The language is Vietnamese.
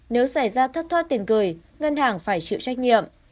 nếu xảy ra thất thoát tiền gửi ngân hàng phải chịu trách nhiệm